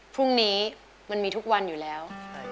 พรุ่งนี้มันมีทุกวันอยู่แล้ว